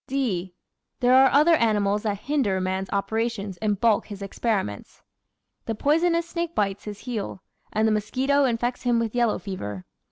(d) But there are other animals that hinder man's operations and baulk his experiments. The poisonous snake bites his heel, and the mosquito infects him with yellow fever.